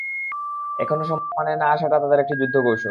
এখনও সামনে না আসাটাও তাদের একটি যুদ্ধ-কৌশল।